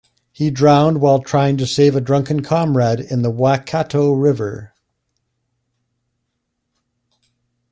He drowned while trying to save a drunken comrade in the Waikato River.